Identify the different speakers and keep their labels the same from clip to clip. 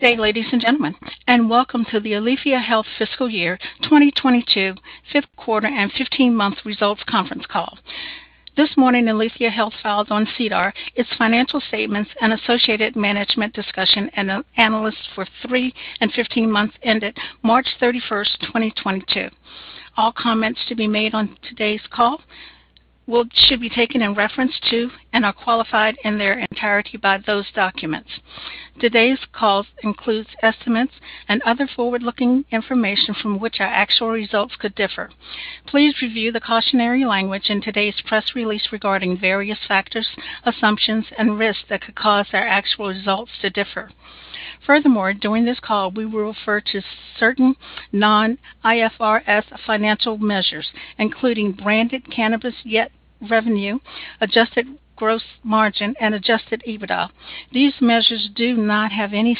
Speaker 1: Good day, ladies and gentlemen, and welcome to the Aleafia Health Fiscal Year 2022 Q5 and 15-month results conference call. This morning, Aleafia Health filed on SEDAR its financial statements and associated management discussion and analysis for three and 15 months ended March 31, 2022. All comments to be made on today's call should be taken in reference to and are qualified in their entirety by those documents. Today's call includes estimates and other forward-looking information from which our actual results could differ. Please review the cautionary language in today's press release regarding various factors, assumptions, and risks that could cause our actual results to differ. Furthermore, during this call, we will refer to certain non-IFRS financial measures, including branded cannabis net revenue, adjusted gross margin, and adjusted EBITDA. These measures do not have any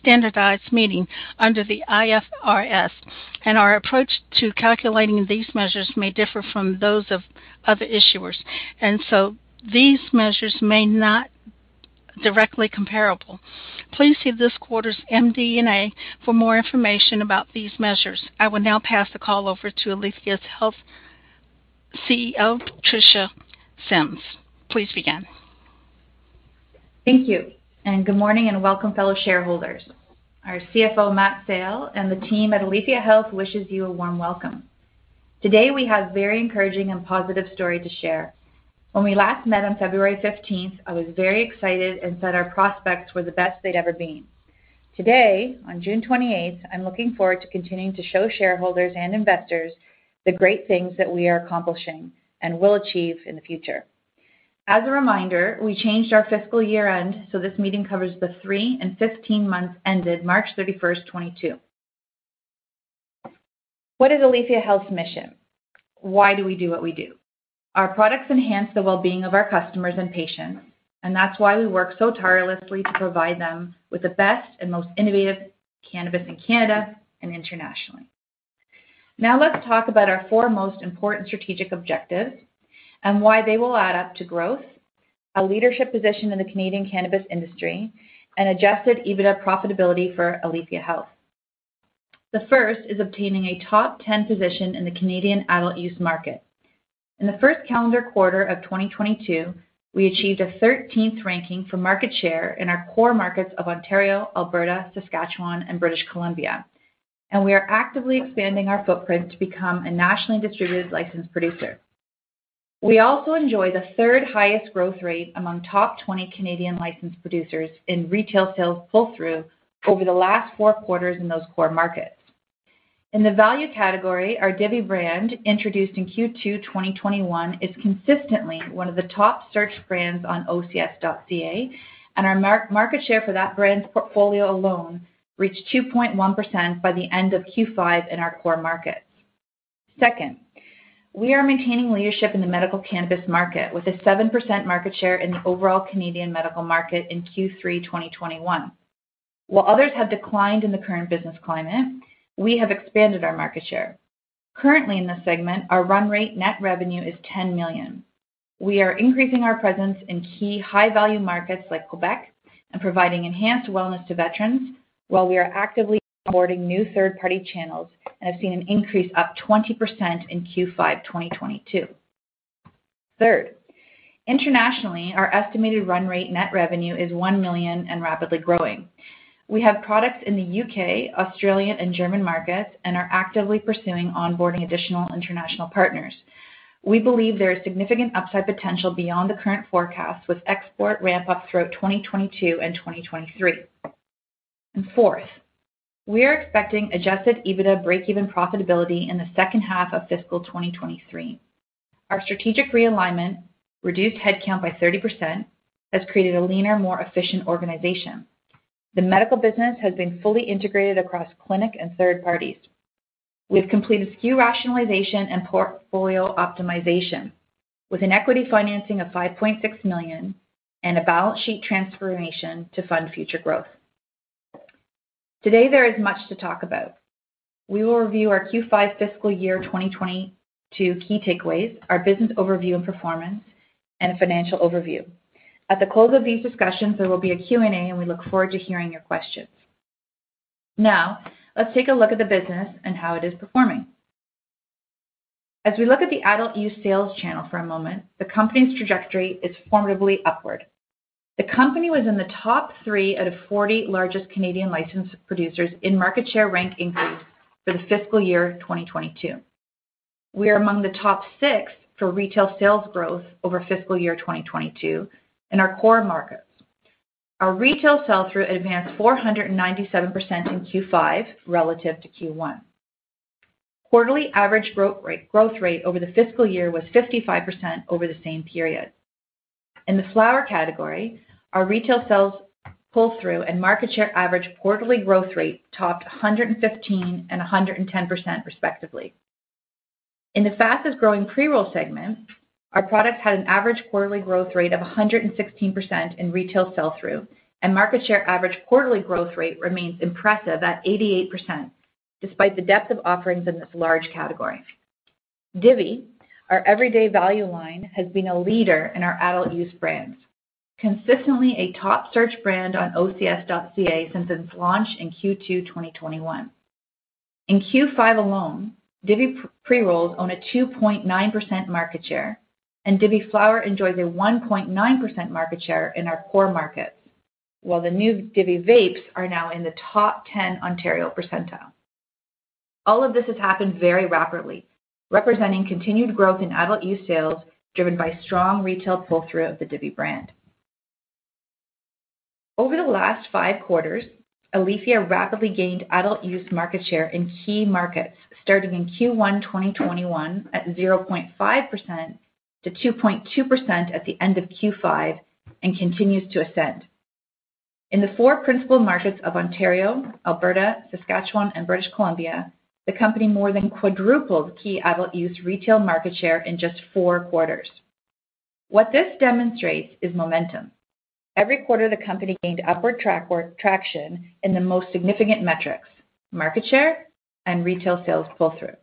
Speaker 1: standardized meaning under the IFRS, and our approach to calculating these measures may differ from those of other issuers, and so these measures may not be directly comparable. Please see this quarter's MD&A for more information about these measures. I will now pass the call over to Aleafia Health CEO, Tricia Symmes. Please begin.
Speaker 2: Thank you. Good morning, and welcome, fellow shareholders. Our CFO, Matt Sale, and the team at Aleafia Health wishes you a warm welcome. Today, we have a very encouraging and positive story to share. When we last met on February 15, I was very excited and said our prospects were the best they'd ever been. Today, on June 28, I'm looking forward to continuing to show shareholders and investors the great things that we are accomplishing and will achieve in the future. As a reminder, we changed our fiscal year-end, so this meeting covers the three and 15 months ended March 31, 2022. What is Aleafia Health's mission? Why do we do what we do? Our products enhance the well-being of our customers and patients, and that's why we work so tirelessly to provide them with the best and most innovative cannabis in Canada and internationally. Now, let's talk about our four most important strategic objectives and why they will add up to growth, a leadership position in the Canadian cannabis industry, and adjusted EBITDA profitability for Aleafia Health. The first is obtaining a top 10 position in the Canadian adult-use market. In the first calendar quarter of 2022, we achieved a 13th ranking for market share in our core markets of Ontario, Alberta, Saskatchewan, and British Columbia, and we are actively expanding our footprint to become a nationally distributed licensed producer. We also enjoy the third-highest growth rate among top 20 Canadian licensed producers in retail sales pull-through over the last four quarters in those core markets. In the value category, our Divvy brand, introduced in Q2 2021, is consistently one of the top searched brands on OCS.ca, and our market share for that brand's portfolio alone reached 2.1% by the end of Q5 in our core markets. Second, we are maintaining leadership in the medical cannabis market with a 7% market share in the overall Canadian medical market in Q3 2021. While others have declined in the current business climate, we have expanded our market share. Currently, in this segment, our run rate net revenue is 10 million. We are increasing our presence in key high-value markets like Quebec and providing enhanced wellness to veterans while we are actively supporting new third-party channels and have seen an increase up 20% in Q5 2022. Third, internationally, our estimated run rate net revenue is 1 million and rapidly growing. We have products in the U.K., Australian, and German markets and are actively pursuing onboarding additional international partners. We believe there is significant upside potential beyond the current forecast with export ramp-ups throughout 2022 and 2023. Fourth, we are expecting adjusted EBITDA breakeven profitability in the H2 of fiscal 2023. Our strategic realignment reduced headcount by 30%, has created a leaner, more efficient organization. The medical business has been fully integrated across clinic and third parties. We've completed SKU rationalization and portfolio optimization with an equity financing of 5.6 million and a balance sheet transformation to fund future growth. Today, there is much to talk about. We will review our Q5 fiscal year 2022 key takeaways, our business overview and performance, and a financial overview. At the close of these discussions, there will be a Q&A, and we look forward to hearing your questions. Now, let's take a look at the business and how it is performing. As we look at the adult use sales channel for a moment, the company's trajectory is formidably upward. The company was in the top three out of 40 largest Canadian licensed producers in market share rank increase for the fiscal year 2022. We are among the top six for retail sales growth over fiscal year 2022 in our core markets. Our retail sell-through advanced 497% in Q5 relative to Q1. Quarterly average growth rate over the fiscal year was 55% over the same period. In the flower category, our retail sales pull-through and market share average quarterly growth rate topped 115% and 110%, respectively. In the fastest-growing pre-roll segment, our products had an average quarterly growth rate of 116% in retail sell-through, and market share average quarterly growth rate remains impressive at 88% despite the depth of offerings in this large category. Divvy, our everyday value line, has been a leader in our adult use brands, consistently a top search brand on OCS.ca since its launch in Q2 2021. In Q5 alone, Divvy pre-rolls own a 2.9% market share, and Divvy flower enjoys a 1.9% market share in our core markets. While the new Divvy vapes are now in the top 10 Ontario percentile. All of this has happened very rapidly, representing continued growth in adult use sales, driven by strong retail pull-through of the Divvy brand. Over the last five quarters, Aleafia rapidly gained adult use market share in key markets, starting in Q1 2021 at 0.5%-2.2% at the end of Q5, and continues to ascend. In the four principal markets of Ontario, Alberta, Saskatchewan, and British Columbia, the company more than quadrupled key adult use retail market share in just four quarters. What this demonstrates is momentum. Every quarter, the company gained upward track or traction in the most significant metrics, market share and retail sales pull-through.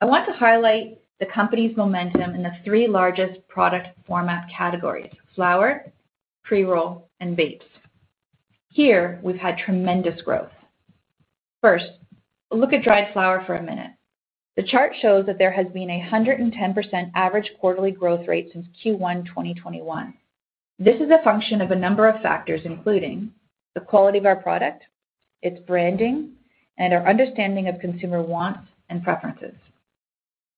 Speaker 2: I want to highlight the company's momentum in the three largest product format categories: flower, pre-roll, and vapes. Here, we've had tremendous growth. First, look at dried flower for a minute. The chart shows that there has been 110% average quarterly growth rate since Q1 2021. This is a function of a number of factors, including the quality of our product, its branding, and our understanding of consumer wants and preferences.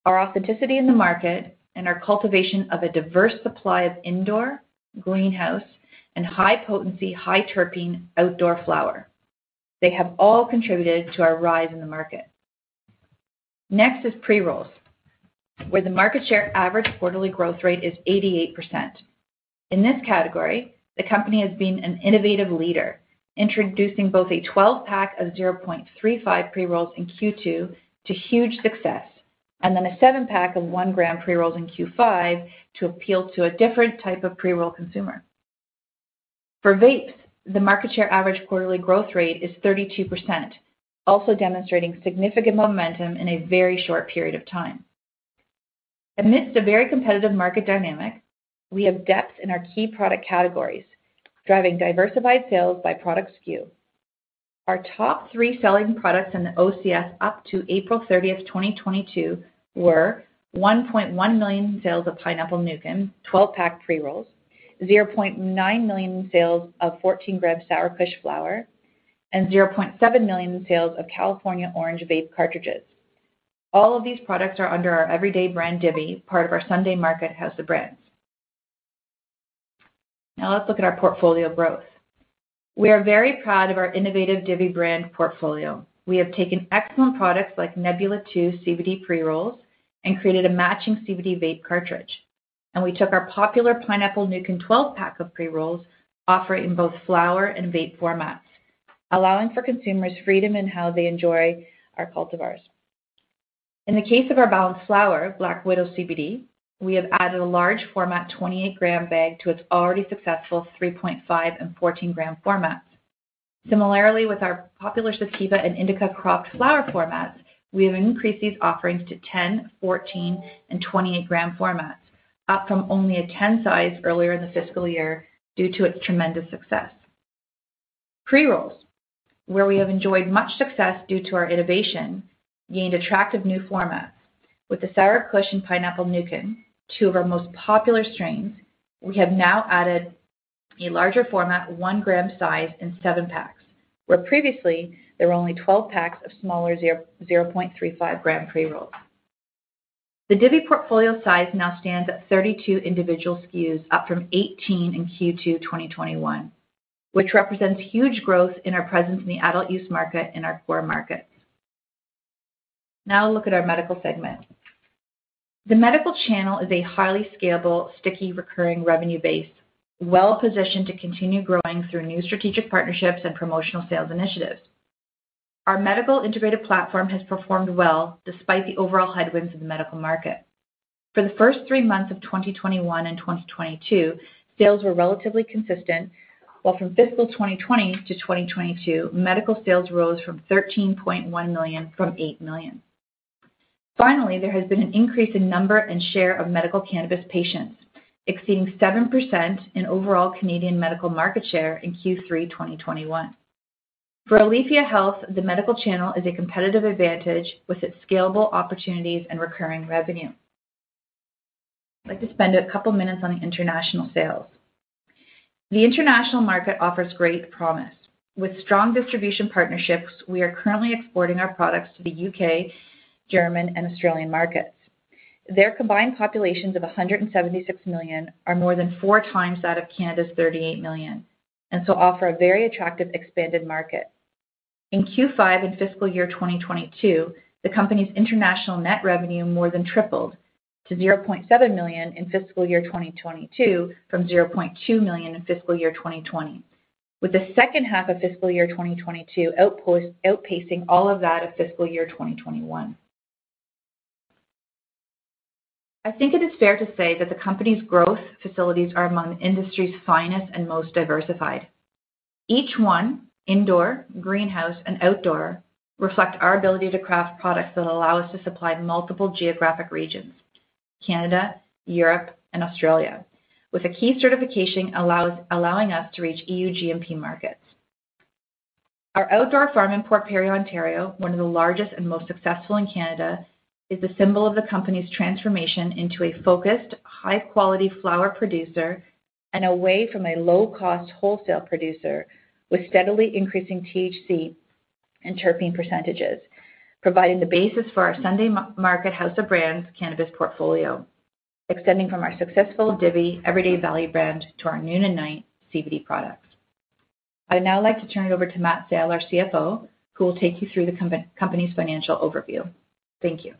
Speaker 2: Our authenticity in the market and our cultivation of a diverse supply of indoor, greenhouse, and high-potency, high-terpene outdoor flower. They have all contributed to our rise in the market. Next is pre-rolls, where the market share average quarterly growth rate is 88%. In this category, the company has been an innovative leader, introducing both a 12-pack of 0.35 pre-rolls in Q2 to huge success, and then a seven-pack of 1g pre-rolls in Q5 to appeal to a different type of pre-roll consumer. For vapes, the market share average quarterly growth rate is 32%, also demonstrating significant momentum in a very short period of time. Amidst a very competitive market dynamic, we have depth in our key product categories, driving diversified sales by product SKU. Our top three selling products in the OCS up to April 30, 2022 were 1.1 million in sales of Pineapple Nuken 12-pack pre-rolls, 0.9 million in sales of 14g Sour Kush flower, and 0.7 million in sales of California Orange vape cartridges. All of these products are under our everyday brand, Divvy, part of our Sunday Market House of Brands. Now let's look at our portfolio growth. We are very proud of our innovative Divvy brand portfolio. We have taken excellent products like Nebula II CBD pre-rolls and created a matching CBD vape cartridge. We took our popular Pineapple Nuken 12-pack of pre-rolls, offer it in both flower and vape formats, allowing for consumers freedom in how they enjoy our cultivars. In the case of our balanced flower, Black Widow CBD, we have added a large format 28g bag to its already successful 3.5g and 14g formats. Similarly, with our popular Sativa and Indica cropped flower formats, we have increased these offerings to 10g, 14g, and 28g formats, up from only a 10 size earlier in the fiscal year due to its tremendous success. Pre-rolls, where we have enjoyed much success due to our innovation, gained attractive new formats. With the Sour Kush and Pineapple Nuken, two of our most popular strains, we have now added a larger format, 1g size in seven packs, where previously there were only 12 packs of smaller 0.35g pre-rolls. The Divvy portfolio size now stands at 32 individual SKUs up from 18 in Q2 2021, which represents huge growth in our presence in the adult use market in our core markets. Now look at our medical segment. The medical channel is a highly scalable, sticky, recurring revenue base, well-positioned to continue growing through new strategic partnerships and promotional sales initiatives. Our medical integrated platform has performed well despite the overall headwinds of the medical market. For the first three months of 2021 and 2022, sales were relatively consistent, while from fiscal 2020 to 2022, medical sales rose from 13.1 million from 8 million. Finally, there has been an increase in number and share of medical cannabis patients, exceeding 7% in overall Canadian medical market share in Q3 2021. For Aleafia Health, the medical channel is a competitive advantage with its scalable opportunities and recurring revenue. I'd like to spend a couple minutes on the international sales. The international market offers great promise. With strong distribution partnerships, we are currently exporting our products to the U.K., Germany, and Australia. Their combined populations of 176 million are more than four times that of Canada's 38 million, and so offer a very attractive expanded market. In Q5 in fiscal year 2022, the company's international net revenue more than tripled to 0.7 million in fiscal year 2022 from 0.2 million in fiscal year 2020, with the H2 of fiscal year 2022 outpacing all of that of fiscal year 2021. I think it is fair to say that the company's growth facilities are among the industry's finest and most diversified. Each one, indoor, greenhouse, and outdoor, reflect our ability to craft products that allow us to supply multiple geographic regions, Canada, Europe, and Australia, with a key certification allowing us to reach E.U. GMP markets. Our outdoor farm in Port Perry, Ontario, one of the largest and most successful in Canada, is a symbol of the company's transformation into a focused, high-quality flower producer and away from a low-cost wholesale producer with steadily increasing THC and terpene percentages, providing the basis for our Sunday Market house of brands cannabis portfolio, extending from our successful Divvy everyday value brand to our Noon & Night CBD products. I'd now like to turn it over to Matt Sale, our CFO, who will take you through the company's financial overview. Thank you.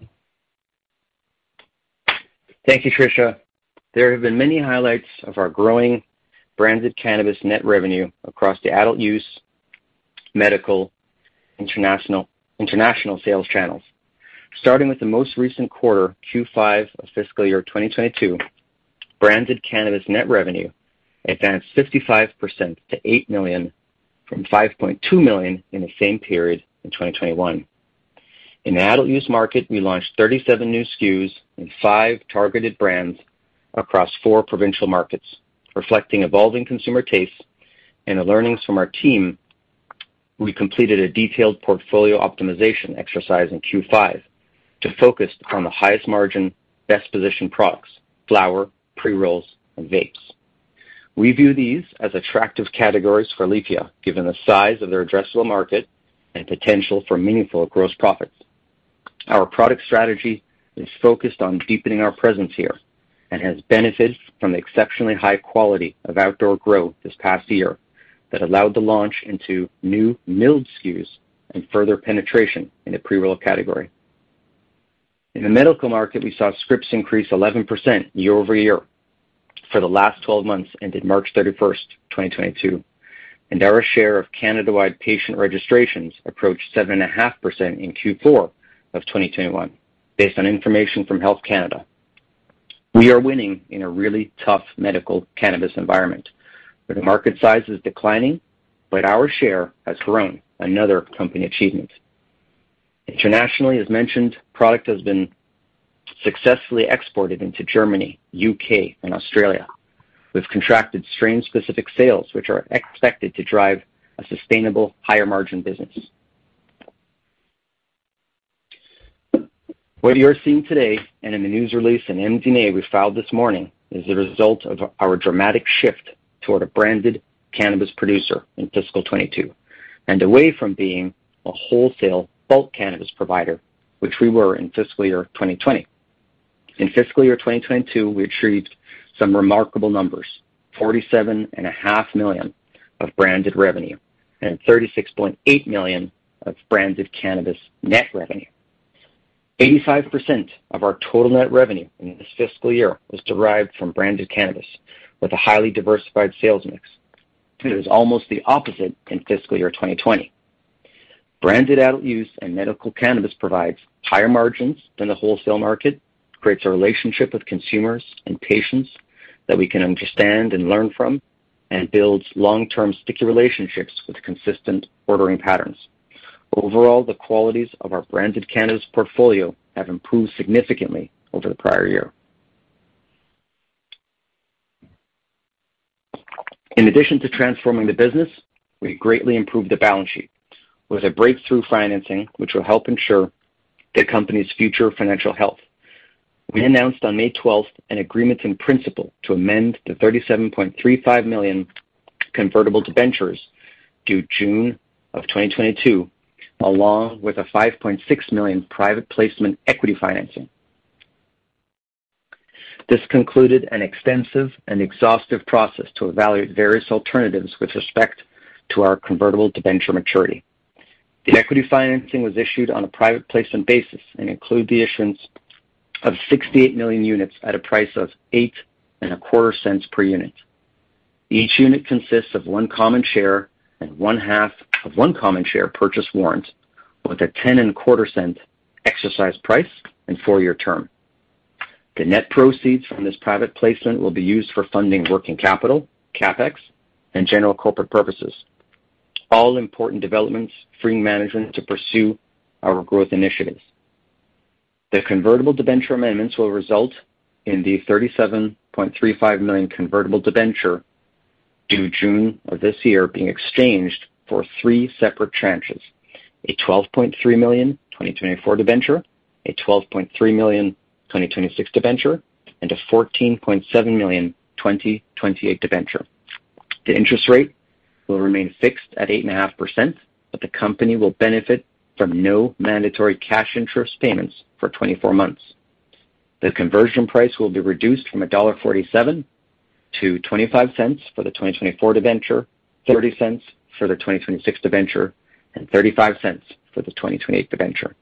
Speaker 3: Thank you, Tricia. There have been many highlights of our growing branded cannabis net revenue across the adult use, medical, international sales channels. Starting with the most recent quarter, Q5 of fiscal year 2022, branded cannabis net revenue advanced 55% to 8 million from 5.2 million in the same period in 2021. In the adult use market, we launched 37 new SKUs and five targeted brands across four provincial markets. Reflecting evolving consumer tastes and the learnings from our team, we completed a detailed portfolio optimization exercise in Q5 to focus on the highest margin, best-positioned products, flower, pre-rolls, and vapes. We view these as attractive categories for Aleafia, given the size of their addressable market and potential for meaningful gross profits. Our product strategy is focused on deepening our presence here and has benefited from the exceptionally high quality of outdoor growth this past year that allowed the launch into new milled SKUs and further penetration in the pre-roll category. In the medical market, we saw scripts increase 11% year-over-year for the last 12 months, ended March 31, 2022, and our share of Canada-wide patient registrations approached 7.5% in Q4 of 2021 based on information from Health Canada. We are winning in a really tough medical cannabis environment where the market size is declining, but our share has grown, another company achievement. Internationally, as mentioned, product has been successfully exported into Germany, U.K., and Australia. We've contracted strain-specific sales, which are expected to drive a sustainable higher-margin business. What you are seeing today and in the news release in MD&A we filed this morning is the result of our dramatic shift toward a branded cannabis producer in fiscal 2022 and away from being a wholesale bulk cannabis provider, which we were in fiscal year 2020. In fiscal year 2022, we achieved some remarkable numbers, 47.5 million of branded revenue and 36.8 million of branded cannabis net revenue. 85% of our total net revenue in this fiscal year was derived from branded cannabis with a highly diversified sales mix. It was almost the opposite in fiscal year 2020. Branded adult use and medical cannabis provides higher margins than the wholesale market, creates a relationship with consumers and patients that we can understand and learn from, and builds long-term sticky relationships with consistent ordering patterns. Overall, the qualities of our branded cannabis portfolio have improved significantly over the prior year. In addition to transforming the business, we greatly improved the balance sheet with a breakthrough financing, which will help ensure the company's future financial health. We announced on May 12 an agreement in principle to amend the 37.35 million convertible debentures due June 2022, along with a 5.6 million private placement equity financing. This concluded an extensive and exhaustive process to evaluate various alternatives with respect to our convertible debenture maturity. The equity financing was issued on a private placement basis and include the issuance of 68 million units at a price of 0.0825 per unit. Each unit consists of one common share and one half of one common share purchase warrant with a 0.1025 exercise price and four-year term. The net proceeds from this private placement will be used for funding working capital, CapEx, and general corporate purposes, all important developments freeing management to pursue our growth initiatives. The convertible debenture amendments will result in the 37.35 million convertible debenture due June of this year being exchanged for three separate tranches, a 12.3 million 2024 debenture, a 12.3 million 2026 debenture, and a 14.7 million 2028 debenture. The interest rate will remain fixed at 8.5%, but the company will benefit from no mandatory cash interest payments for 24 months. The conversion price will be reduced from dollar 1.47 to 0.25 for the 2024 debenture, 0.30 for the 2026 debenture, and 0.35 for the 2028 debenture.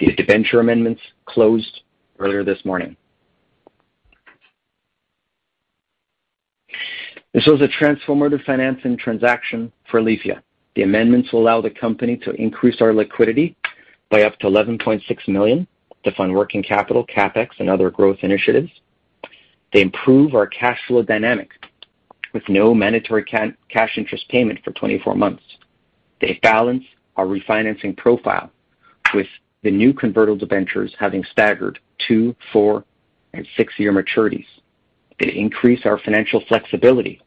Speaker 3: These debenture amendments closed earlier this morning. This was a transformative financing transaction for Aleafia. The amendments allow the company to increase our liquidity by up to 11.6 million to fund working capital, CapEx, other growth initiatives. They improve our cash flow dynamic with no mandatory cash interest payment for 24 months. They balance our refinancing profile with the new convertible debentures having staggered two, four, and six-year maturities. They increase our financial flexibility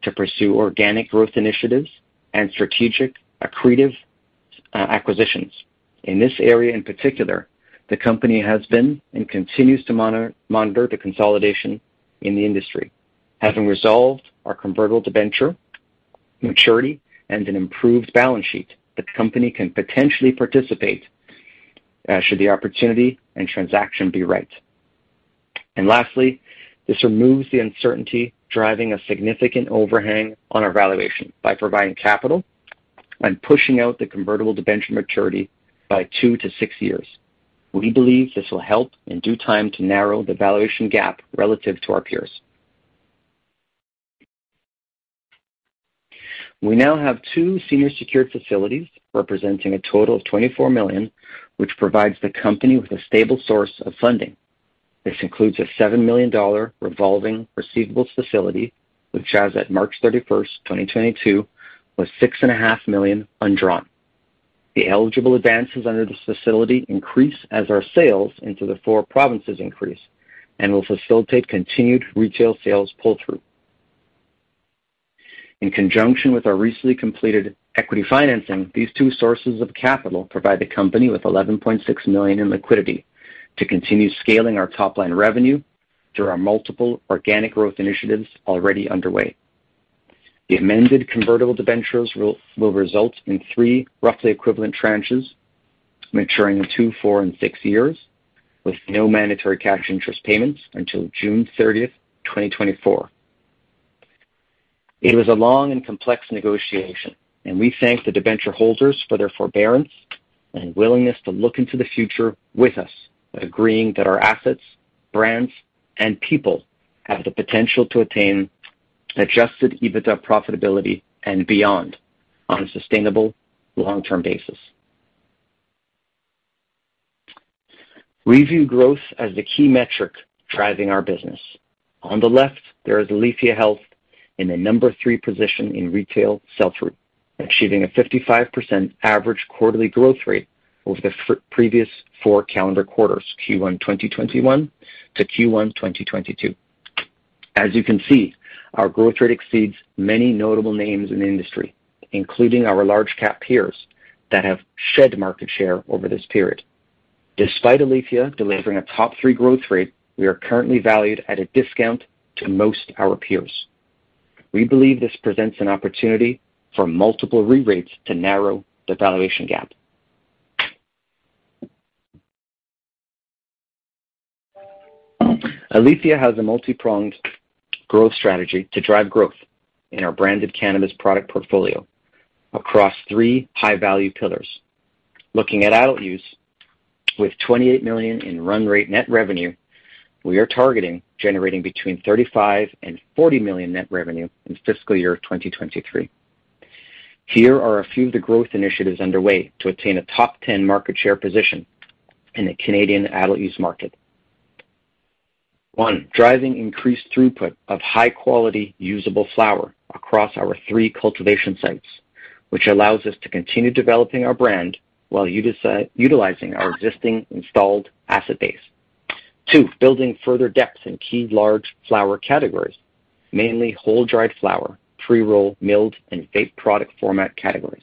Speaker 3: to pursue organic growth initiatives and strategic accretive acquisitions. In this area, in particular, the company has been and continues to monitor the consolidation in the industry. Having resolved our convertible debenture maturity and an improved balance sheet, the company can potentially participate, should the opportunity and transaction be right. Lastly, this removes the uncertainty driving a significant overhang on our valuation by providing capital and pushing out the convertible debenture maturity by two to six years. We believe this will help in due time to narrow the valuation gap relative to our peers. We now have two senior secured facilities representing a total of 24 million, which provides the company with a stable source of funding. This includes a 7 million dollar revolving receivables facility, which as at March 31, 2022, was 6.5 million undrawn. The eligible advances under this facility increase as our sales into the four provinces increase and will facilitate continued retail sales pull-through. In conjunction with our recently completed equity financing, these two sources of capital provide the company with 11.6 million in liquidity to continue scaling our top-line revenue through our multiple organic growth initiatives already underway. The amended convertible debentures will result in three roughly equivalent tranches maturing in two, four, and six years, with no mandatory cash interest payments until June 30, 2024. It was a long and complex negotiation, and we thank the debenture holders for their forbearance and willingness to look into the future with us by agreeing that our assets, brands, and people have the potential to attain adjusted EBITDA profitability and beyond on a sustainable long-term basis. We view growth as the key metric driving our business. On the left, there is Aleafia Health in the number three position in retail sell-through, achieving a 55% average quarterly growth rate over the previous four calendar quarters, Q1 2021 to Q1 2022. As you can see, our growth rate exceeds many notable names in the industry, including our large-cap peers that have shed market share over this period. Despite Aleafia delivering a top three growth rate, we are currently valued at a discount to most of our peers. We believe this presents an opportunity for multiple re-rates to narrow the valuation gap. Aleafia has a multi-pronged growth strategy to drive growth in our branded cannabis product portfolio across three high-value pillars. Looking at adult use, with 28 million in run rate net revenue, we are targeting generating between 35 million and 40 million net revenue in fiscal year 2023. Here are a few of the growth initiatives underway to attain a top 10 market share position in the Canadian adult use market. One, driving increased throughput of high-quality usable flower across our three cultivation sites, which allows us to continue developing our brand while utilizing our existing installed asset base. Two, building further depth in key large flower categories, mainly whole dried flower, pre-roll, milled, and vape product format categories.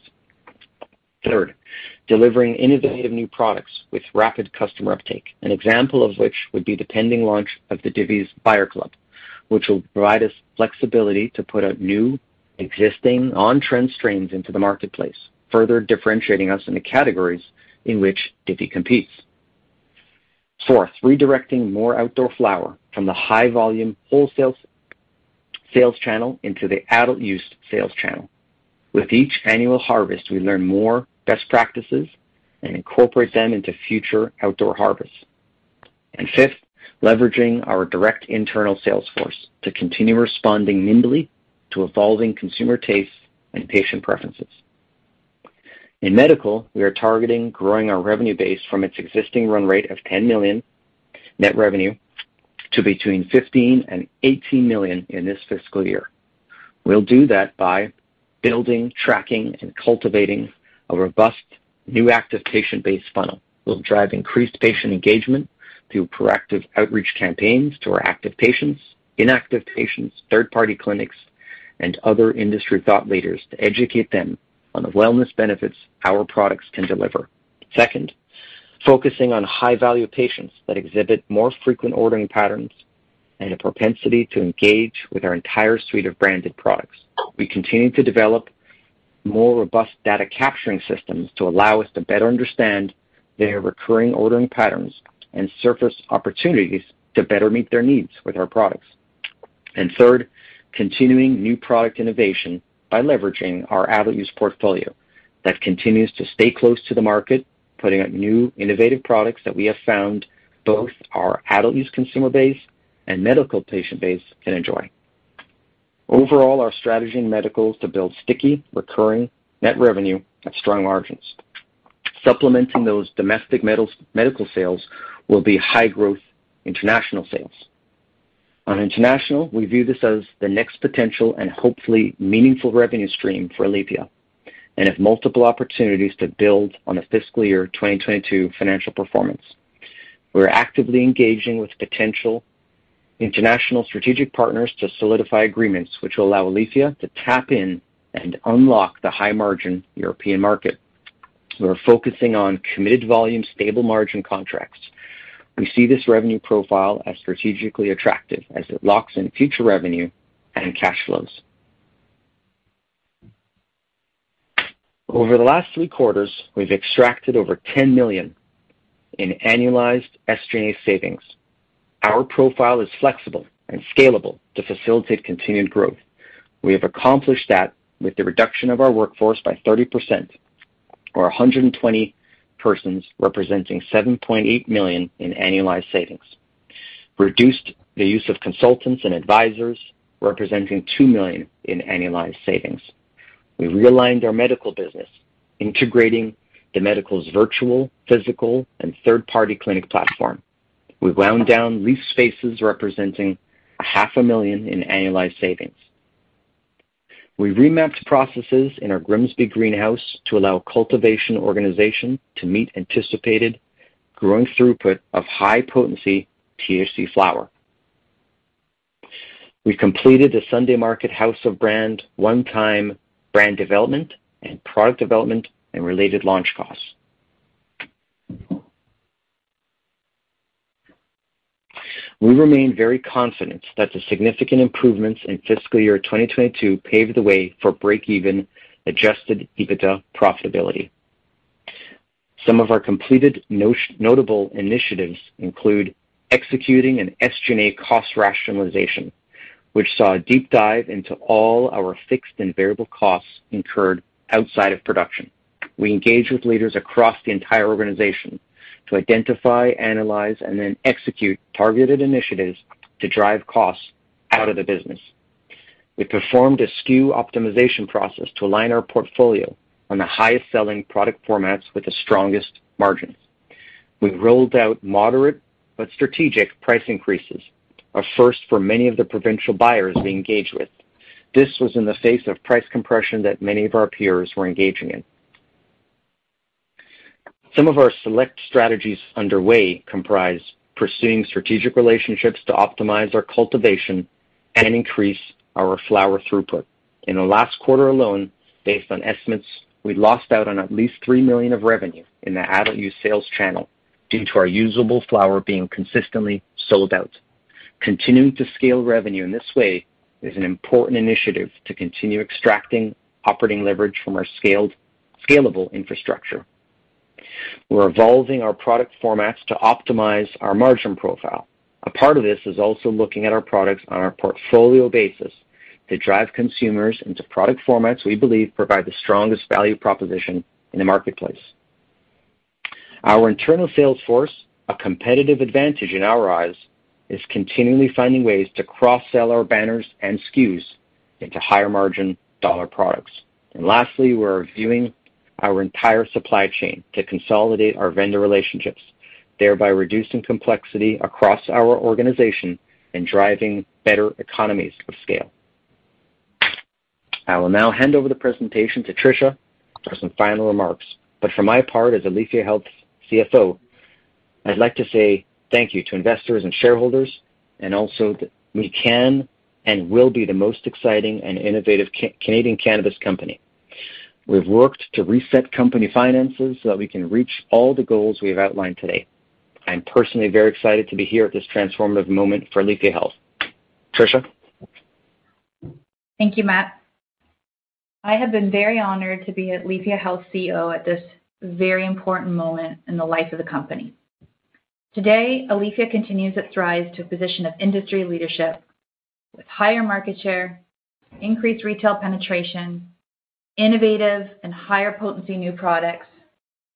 Speaker 3: Third, delivering innovative new products with rapid customer uptake, an example of which would be the pending launch of the Divvy Buyer's Club, which will provide us flexibility to put out new, existing on-trend strains into the marketplace, further differentiating us in the categories in which Divvy competes. Fourth, redirecting more outdoor flower from the high-volume wholesale sales channel into the adult use sales channel. With each annual harvest, we learn more best practices and incorporate them into future outdoor harvests. Fifth, leveraging our direct internal sales force to continue responding nimbly to evolving consumer tastes and patient preferences. In medical, we are targeting growing our revenue base from its existing run rate of 10 million net revenue to between 15 million and 18 million in this fiscal year. We'll do that by building, tracking, and cultivating a robust new active patient base funnel. We'll drive increased patient engagement through proactive outreach campaigns to our active patients, inactive patients, third-party clinics, and other industry thought leaders to educate them on the wellness benefits our products can deliver. Second, focusing on high-value patients that exhibit more frequent ordering patterns and a propensity to engage with our entire suite of branded products. We continue to develop more robust data capturing systems to allow us to better understand their recurring ordering patterns and surface opportunities to better meet their needs with our products. Third, continuing new product innovation by leveraging our adult use portfolio that continues to stay close to the market, putting out new innovative products that we have found both our adult use consumer base and medical patient base can enjoy. Overall, our strategy in medical is to build sticky, recurring net revenue at strong margins. Supplementing those domestic medical sales will be high-growth international sales. On international, we view this as the next potential and hopefully meaningful revenue stream for Aleafia, and have multiple opportunities to build on the fiscal year 2022 financial performance. We're actively engaging with potential international strategic partners to solidify agreements which will allow Aleafia to tap into and unlock the high-margin European market. We're focusing on committed volume, stable margin contracts. We see this revenue profile as strategically attractive as it locks in future revenue and cash flows. Over the last three quarters, we've extracted over 10 million in annualized SG&A savings. Our profile is flexible and scalable to facilitate continued growth. We have accomplished that with the reduction of our workforce by 30% or 120 persons, representing 7.8 million in annualized savings. Reduced the use of consultants and advisors, representing 2 million in annualized savings. We realigned our medical business, integrating the medical's virtual, physical, and third-party clinic platform. We wound down lease spaces representing CAD half a million in annualized savings. We remapped processes in our Grimsby greenhouse to allow cultivation organization to meet anticipated growing throughput of high-potency THC flower. We completed the Sunday Market house of brands, one-time brand development and product development and related launch costs. We remain very confident that the significant improvements in fiscal year 2022 paved the way for break-even adjusted EBITDA profitability. Some of our completed notable initiatives include executing an SG&A cost rationalization, which saw a deep dive into all our fixed and variable costs incurred outside of production. We engaged with leaders across the entire organization to identify, analyze, and then execute targeted initiatives to drive costs out of the business. We performed a SKU optimization process to align our portfolio on the highest-selling product formats with the strongest margins. We rolled out moderate but strategic price increases, a first for many of the provincial buyers we engage with. This was in the face of price compression that many of our peers were engaging in. Some of our select strategies underway comprise pursuing strategic relationships to optimize our cultivation and increase our flower throughput. In the last quarter alone, based on estimates, we lost out on at least 3 million of revenue in the adult use sales channel due to our usable flower being consistently sold out. Continuing to scale revenue in this way is an important initiative to continue extracting operating leverage from our scalable infrastructure. We're evolving our product formats to optimize our margin profile. A part of this is also looking at our products on our portfolio basis to drive consumers into product formats we believe provide the strongest value proposition in the marketplace. Our internal sales force, a competitive advantage in our eyes, is continually finding ways to cross-sell our banners and SKUs into higher-margin dollar products. Lastly, we're reviewing our entire supply chain to consolidate our vendor relationships, thereby reducing complexity across our organization and driving better economies of scale. I will now hand over the presentation to Tricia for some final remarks. For my part as Aleafia Health's CFO, I'd like to say thank you to investors and shareholders, and also that we can and will be the most exciting and innovative Canadian cannabis company. We've worked to reset company finances so that we can reach all the goals we have outlined today. I'm personally very excited to be here at this transformative moment for Aleafia Health. Tricia.
Speaker 2: Thank you, Matt. I have been very honored to be Aleafia Health's CEO at this very important moment in the life of the company. Today, Aleafia continues its rise to a position of industry leadership with higher market share, increased retail penetration, innovative and higher potency new products,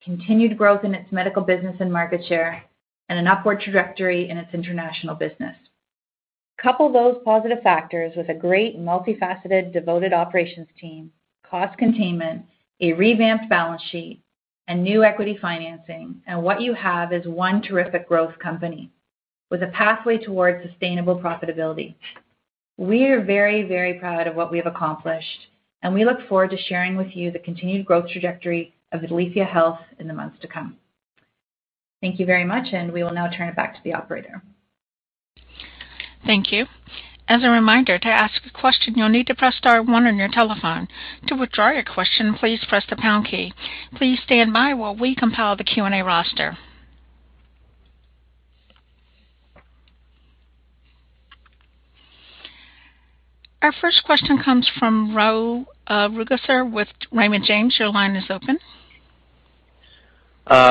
Speaker 2: continued growth in its medical business and market share, and an upward trajectory in its international business. Couple those positive factors with a great multifaceted, devoted operations team, cost containment, a revamped balance sheet, and new equity financing, and what you have is one terrific growth company with a pathway towards sustainable profitability. We are very, very proud of what we have accomplished, and we look forward to sharing with you the continued growth trajectory of Aleafia Health in the months to come. Thank you very much, and we will now turn it back to the operator.
Speaker 1: Thank you. As a reminder, to ask a question, you'll need to press star one on your telephone. To withdraw your question, please press the pound key. Please stand by while we compile the Q&A roster. Our first question comes from Rahul Sarugaser with Raymond James. Your line is open.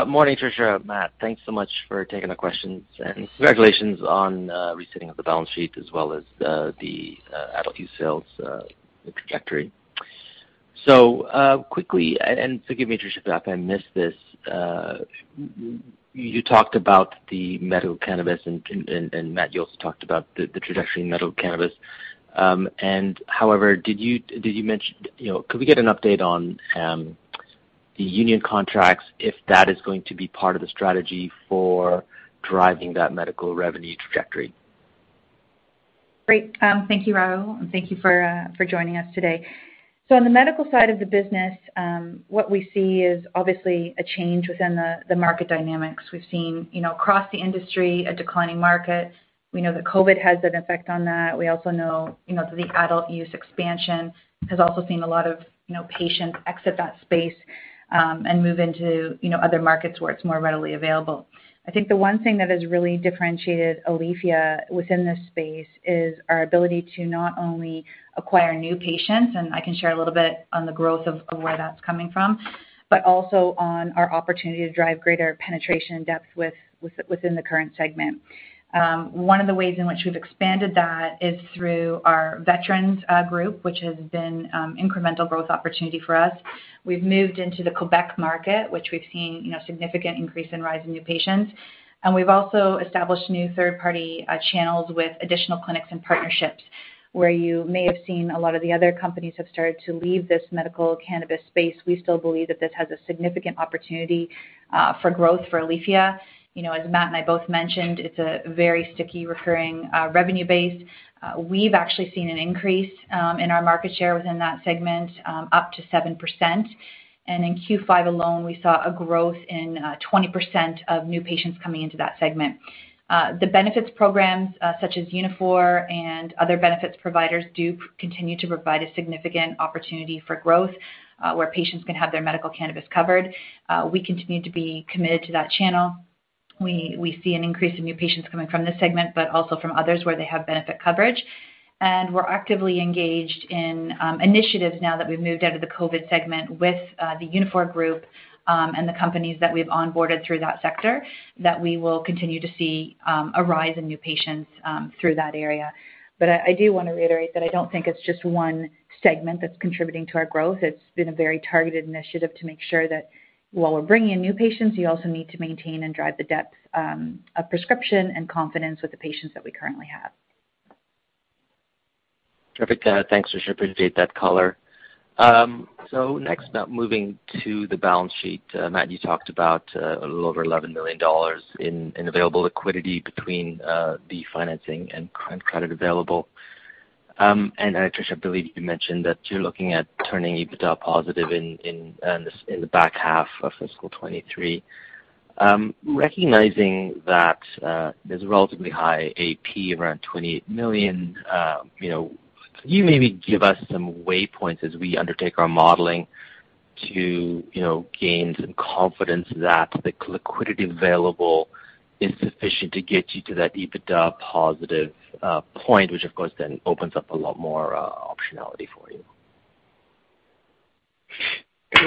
Speaker 4: Morning, Tricia, Matt. Thanks so much for taking the questions, and congratulations on resetting of the balance sheet as well as the adult use sales trajectory. Quickly, and forgive me, Tricia, if I missed this, you talked about the medical cannabis and Matt, you also talked about the trajectory in medical cannabis. However, did you mention. You know, could we get an update on the union contracts, if that is going to be part of the strategy for driving that medical revenue trajectory.
Speaker 2: Great. Thank you, Rahul. Thank you for joining us today. On the medical side of the business, what we see is obviously a change within the market dynamics. We've seen, you know, across the industry, a declining market. We know that COVID has an effect on that. We also know, you know, the adult use expansion has also seen a lot of, you know, patients exit that space, and move into, you know, other markets where it's more readily available. I think the one thing that has really differentiated Aleafia within this space is our ability to not only acquire new patients, and I can share a little bit on the growth of where that's coming from, but also on our opportunity to drive greater penetration depth within the current segment. One of the ways in which we've expanded that is through our veterans group, which has been incremental growth opportunity for us. We've moved into the Quebec market, which we've seen, you know, significant increase in rise in new patients. We've also established new third party channels with additional clinics and partnerships. Where you may have seen a lot of the other companies have started to leave this medical cannabis space, we still believe that this has a significant opportunity for growth for Aleafia. You know, as Matt and I both mentioned, it's a very sticky recurring revenue base. We've actually seen an increase in our market share within that segment up to 7%. In Q5 alone, we saw a growth in 20% of new patients coming into that segment. The benefits programs, such as Unifor and other benefits providers do continue to provide a significant opportunity for growth, where patients can have their medical cannabis covered. We continue to be committed to that channel. We see an increase in new patients coming from this segment, but also from others where they have benefit coverage. We're actively engaged in initiatives now that we've moved out of the COVID segment with the Unifor group, and the companies that we've onboarded through that sector, that we will continue to see a rise in new patients through that area. I do wanna reiterate that I don't think it's just one segment that's contributing to our growth. It's been a very targeted initiative to make sure that while we're bringing in new patients, you also need to maintain and drive the depth of prescription and confidence with the patients that we currently have.
Speaker 4: Perfect. Thanks, Tricia. Appreciate that color. So next up, moving to the balance sheet. Matt, you talked about a little over 11 million dollars in available liquidity between the financing and credit available. And Tricia, I believe you mentioned that you're looking at turning EBITDA positive in the back half of fiscal 2023. Recognizing that there's a relatively high AP, around 28 million, you know, can you maybe give us some waypoints as we undertake our modeling to, you know, gain some confidence that the liquidity available is sufficient to get you to that EBITDA positive point, which of course then opens up a lot more optionality for you.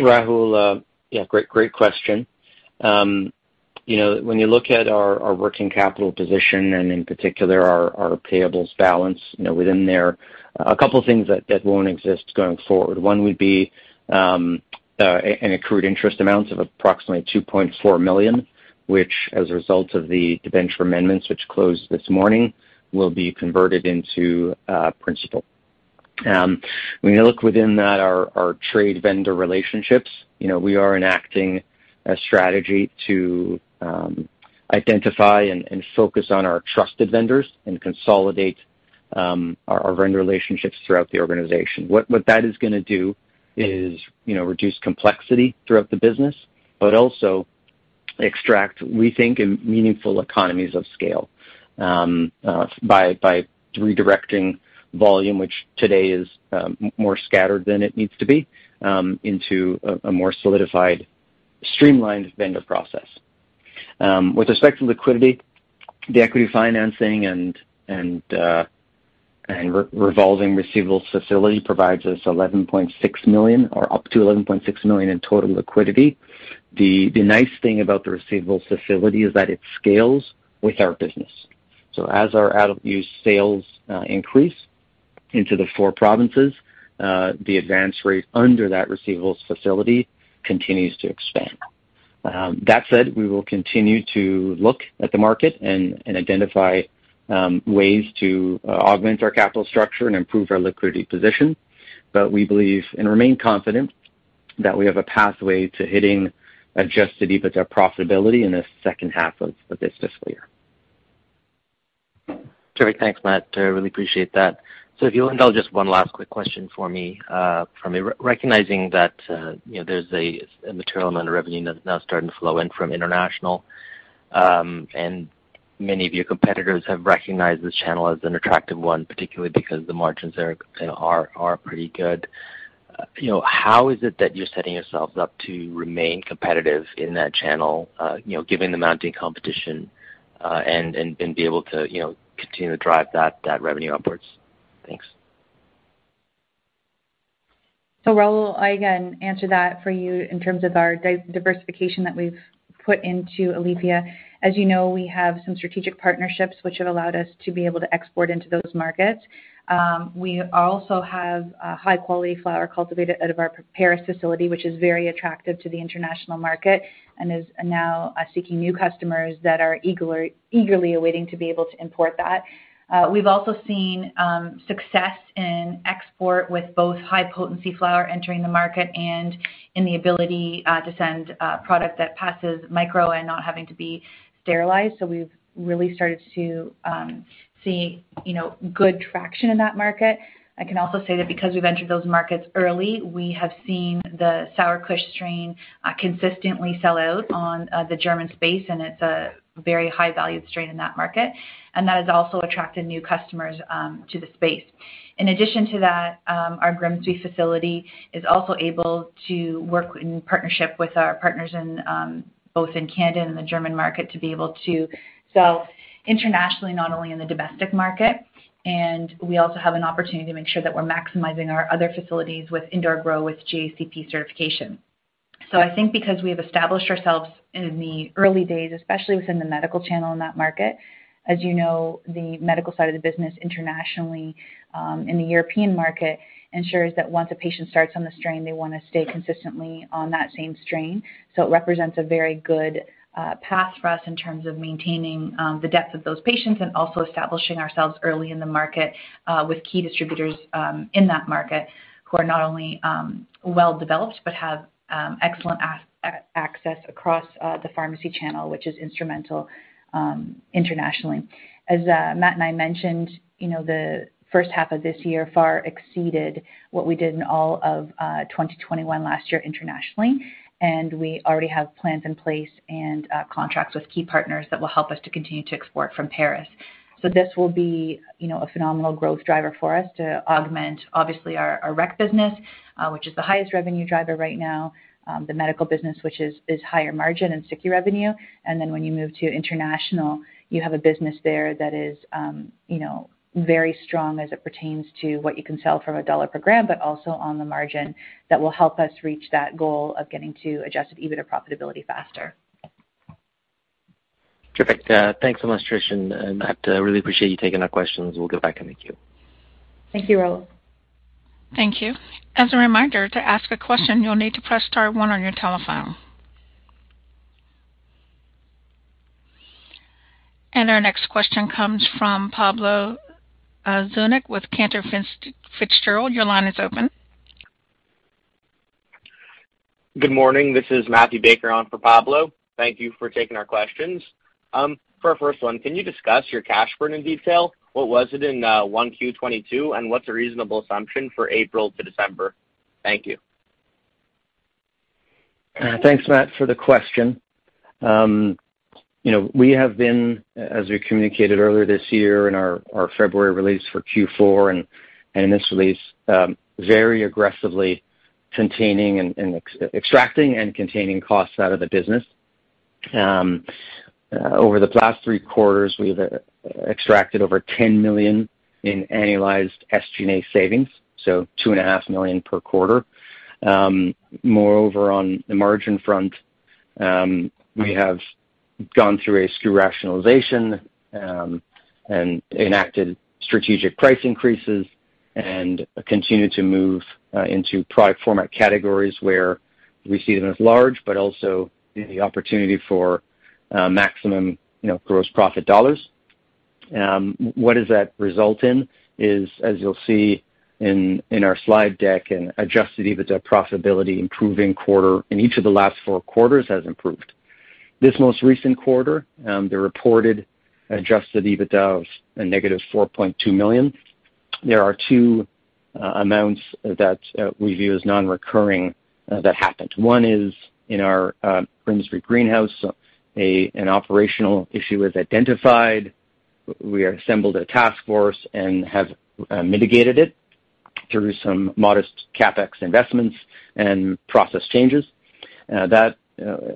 Speaker 3: Rahul, yeah, great question. You know, when you look at our working capital position, and in particular our payables balance, you know, within there, a couple things that won't exist going forward. One would be an accrued interest amount of approximately 2.4 million, which as a result of the debenture amendments which closed this morning, will be converted into principal. When you look within that, our trade vendor relationships, you know, we are enacting a strategy to identify and focus on our trusted vendors and consolidate our vendor relationships throughout the organization. What that is gonna do is, you know, reduce complexity throughout the business, but also extract, we think, in meaningful economies of scale, by redirecting volume, which today is more scattered than it needs to be, into a more solidified, streamlined vendor process. With respect to liquidity, the equity financing and revolving receivables facility provides us 11.6 million, or up to 11.6 million in total liquidity. The nice thing about the receivables facility is that it scales with our business. As our adult use sales increase into the four provinces, the advance rate under that receivables facility continues to expand. That said, we will continue to look at the market and identify ways to augment our capital structure and improve our liquidity position. We believe and remain confident that we have a pathway to hitting adjusted EBITDA profitability in the H2 of this fiscal year.
Speaker 4: Terrific. Thanks, Matt. I really appreciate that. If you'll indulge just one last quick question for me. Recognizing that, you know, there's a material amount of revenue that's now starting to flow in from international, and many of your competitors have recognized this channel as an attractive one, particularly because the margins are, you know, pretty good. You know, how is it that you're setting yourselves up to remain competitive in that channel, you know, given the mounting competition, and be able to, you know, continue to drive that revenue upwards? Thanks.
Speaker 2: Raul, I again answer that for you in terms of our diversification that we've put into Aleafia. As you know, we have some strategic partnerships which have allowed us to be able to export into those markets. We also have a high-quality flower cultivated out of our Paris facility, which is very attractive to the international market and is now seeking new customers that are eagerly awaiting to be able to import that. We've also seen success in export with both high-potency flower entering the market and in the ability to send product that passes micro and not having to be sterilized. We've really started to see you know good traction in that market. I can also say that because we've entered those markets early, we have seen the Sour Kush strain consistently sell out on the German space, and it's a very high-valued strain in that market. That has also attracted new customers to the space. In addition to that, our Grimsby facility is also able to work in partnership with our partners in both Canada and the German market to be able to sell internationally, not only in the domestic market. We also have an opportunity to make sure that we're maximizing our other facilities with indoor grow with GACP certification. I think because we have established ourselves in the early days, especially within the medical channel in that market, as you know, the medical side of the business internationally, in the European market ensures that once a patient starts on the strain, they wanna stay consistently on that same strain. It represents a very good path for us in terms of maintaining the depth of those patients and also establishing ourselves early in the market with key distributors in that market who are not only well-developed, but have excellent access across the pharmacy channel, which is instrumental internationally. As Matt and I mentioned, you know, the H1 of this year far exceeded what we did in all of 2021 last year internationally, and we already have plans in place and contracts with key partners that will help us to continue to export from Paris. This will be, you know, a phenomenal growth driver for us to augment obviously our rec business, which is the highest revenue driver right now, the medical business, which is higher margin and sticky revenue. When you move to international, you have a business there that is, you know, very strong as it pertains to what you can sell from a dollar per gram, but also on the margin that will help us reach that goal of getting to adjusted EBITDA profitability faster.
Speaker 4: Perfect. Thanks so much, Trish and Matt. I really appreciate you taking our questions. We'll go back in the queue.
Speaker 2: Thank you, Rahul.
Speaker 1: Thank you. As a reminder, to ask a question, you'll need to press star one on your telephone. Our next question comes from Pablo Zuanic with Cantor Fitzgerald. Your line is open.
Speaker 5: Good morning. This is Matthew Baker on for Pablo. Thank you for taking our questions. For our first one, can you discuss your cash burn in detail? What was it in 1Q 2022, and what's a reasonable assumption for April to December? Thank you.
Speaker 3: Thanks, Matt, for the question. You know, we have been, as we communicated earlier this year in our February release for Q4 and in this release, very aggressively containing and extracting and containing costs out of the business. Over the past three quarters, we've extracted over 10 million in annualized SG&A savings, so 2.5 million per quarter. Moreover, on the margin front, we have gone through a SKU rationalization and enacted strategic price increases and continue to move into product format categories where we see them as large, but also the opportunity for maximum, you know, gross profit dollars. What does that result in is, as you'll see in our slide deck and adjusted EBITDA profitability improving quarter in each of the last four quarters has improved. This most recent quarter, the reported adjusted EBITDA of a negative 4.2 million. There are two amounts that we view as non-recurring that happened. One is in our Grimsby greenhouse. An operational issue was identified. We assembled a task force and have mitigated it through some modest CapEx investments and process changes. That,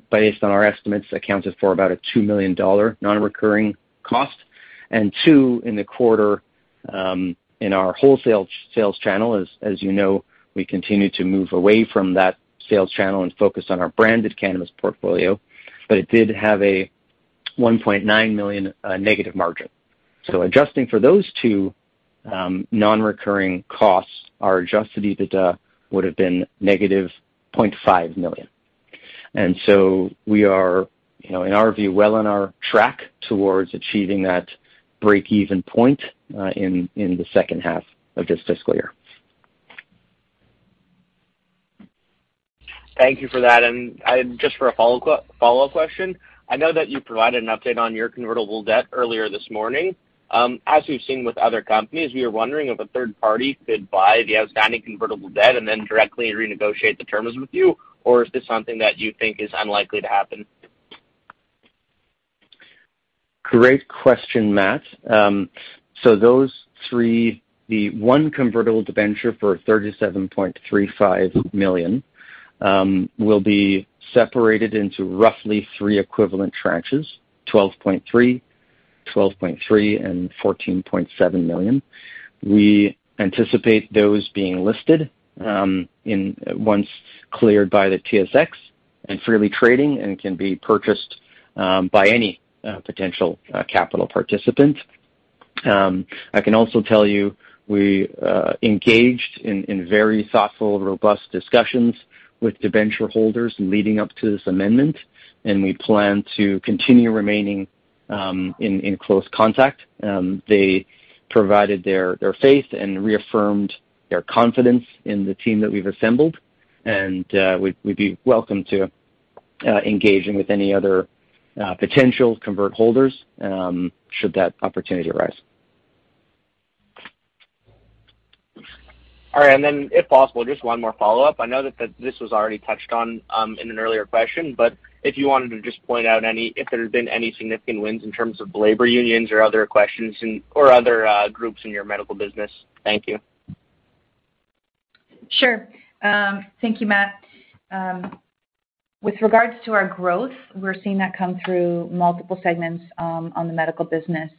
Speaker 3: based on our estimates, accounted for about 2 million dollar non-recurring cost. Two, in the quarter, in our wholesale sales channel, as you know, we continue to move away from that sales channel and focus on our branded cannabis portfolio, but it did have a 1.9 million negative margin. Adjusting for those two non-recurring costs, our adjusted EBITDA would have been negative 0.5 million. We are, you know, in our view, well on our track towards achieving that breakeven point in the H2 of this fiscal year.
Speaker 5: Thank you for that. Just for a follow-up question, I know that you provided an update on your convertible debt earlier this morning. As we've seen with other companies, we were wondering if a third party could buy the outstanding convertible debt and then directly renegotiate the terms with you, or is this something that you think is unlikely to happen?
Speaker 3: Great question, Matt. So those three, the one convertible debenture for 37.35 million, will be separated into roughly three equivalent tranches, 12.3 million, 12.3 million and 14.7 million. We anticipate those being listed once cleared by the TSX and freely trading and can be purchased by any potential capital participant. I can also tell you we engaged in very thoughtful, robust discussions with debenture holders leading up to this amendment, and we plan to continue remaining in close contact. They provided their faith and reaffirmed their confidence in the team that we've assembled, and we'd be welcome to engaging with any other potential convert holders should that opportunity arise.
Speaker 5: All right. If possible, just one more follow-up. I know that this was already touched on in an earlier question, but if you wanted to just point out if there had been any significant wins in terms of labor unions or other groups in your medical business. Thank you.
Speaker 2: Sure. Thank you, Matt. With regards to our growth, we're seeing that come through multiple segments on the medical business.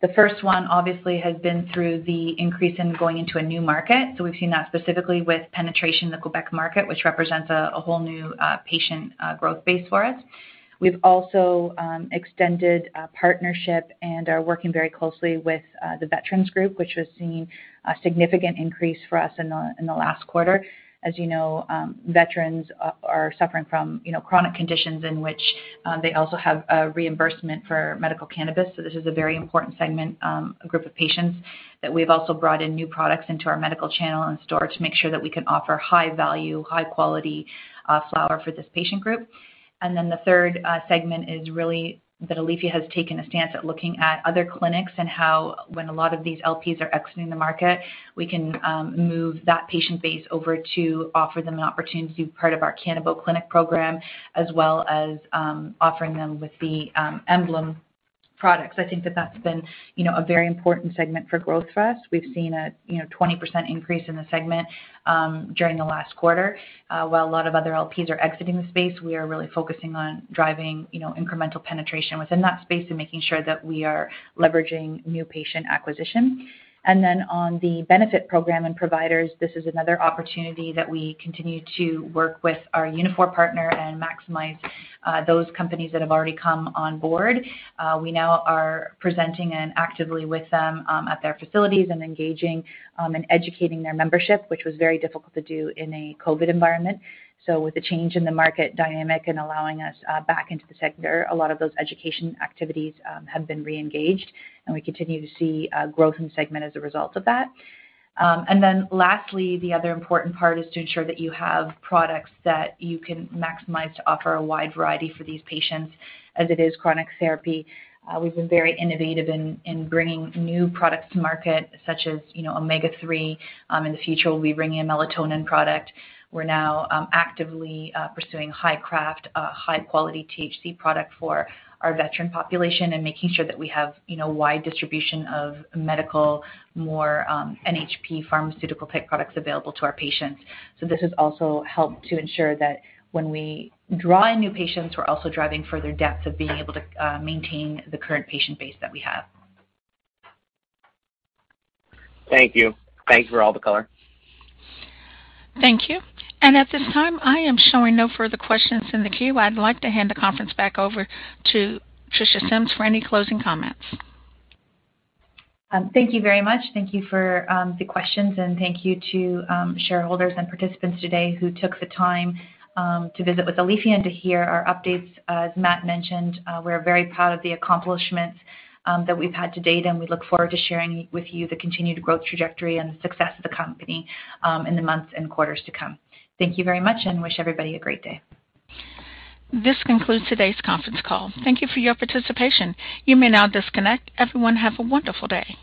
Speaker 2: The first one obviously has been through the increase in going into a new market. We've seen that specifically with penetration in the Quebec market, which represents a whole new patient growth base for us. We've also extended a partnership and are working very closely with the veterans group, which has seen a significant increase for us in the last quarter. As you know, veterans are suffering from, you know, chronic conditions in which they also have a reimbursement for medical cannabis. This is a very important segment, group of patients that we've also brought in new products into our medical channel and store to make sure that we can offer high value, high-quality, flower for this patient group. Then the third segment is really that Aleafia has taken a stance at looking at other clinics and how when a lot of these LPs are exiting the market, we can move that patient base over to offer them an opportunity to be part of our Canabo Clinic program as well as offering them with the Emblem products. I think that that's been, you know, a very important segment for growth for us. We've seen a, you know, 20% increase in the segment during the last quarter. While a lot of other LPs are exiting the space, we are really focusing on driving, you know, incremental penetration within that space and making sure that we are leveraging new patient acquisition. Then on the benefit program and providers, this is another opportunity that we continue to work with our Unifor partner and maximize those companies that have already come on board. We now are presenting and actively with them at their facilities and engaging and educating their membership, which was very difficult to do in a COVID environment. With the change in the market dynamic and allowing us back into the sector, a lot of those education activities have been reengaged, and we continue to see growth in the segment as a result of that. Lastly, the other important part is to ensure that you have products that you can maximize to offer a wide variety for these patients as it is chronic therapy. We've been very innovative in bringing new products to market such as, you know, Omega-3. In the future, we'll be bringing a melatonin product. We're now actively pursuing high-quality THC product for our veteran population and making sure that we have, you know, wide distribution of medical, more NHP pharmaceutical-type products available to our patients. This has also helped to ensure that when we draw in new patients, we're also driving further depth of being able to maintain the current patient base that we have.
Speaker 5: Thank you. Thank you for all the color.
Speaker 1: Thank you. At this time, I am showing no further questions in the queue. I'd like to hand the conference back over to Tricia Symmes for any closing comments.
Speaker 2: Thank you very much. Thank you for the questions, and thank you to shareholders and participants today who took the time to visit with Aleafia Health and to hear our updates. As Matt mentioned, we're very proud of the accomplishments that we've had to date, and we look forward to sharing with you the continued growth trajectory and the success of the company in the months and quarters to come. Thank you very much, and wish everybody a great day.
Speaker 1: This concludes today's conference call. Thank you for your participation. You may now disconnect. Everyone, have a wonderful day.